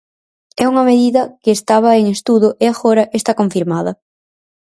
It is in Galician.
É unha medida que estaba en estudo e agora está confirmada.